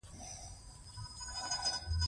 د بېلابېلو فرهنګي مسئلو په اړه و.